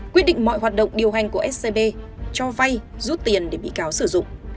quyết định mọi hoạt động điều hành của scb cho vay rút tiền để bị cáo sử dụng